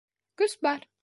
Көс бар.